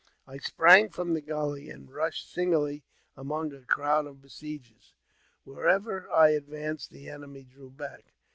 I sprang from the gully, and rushed singly among a crowd of besiegers; wherever I advanced the enemy drew back.